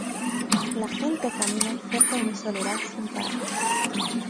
La gente camina cerca de mi soledad sin parar.